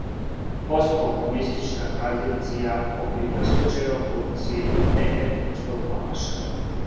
Посткомунистичка транзиција обилује случајевима корупције и неетичког понашања.